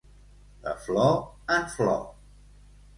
De flor en flor.